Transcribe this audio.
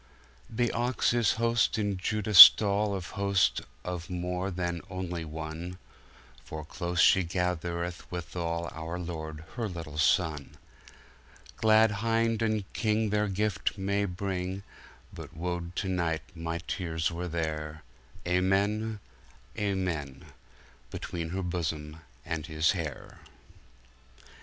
The Ox is host in Judah stallAnd Host of more than onelie one, For close she gathereth withalOur Lorde her littel Sonne.Glad Hinde and KingTheir Gyfte may bring, But wo'd to night my Teares were there, Amen, Amen:Between her Bosom and His hayre!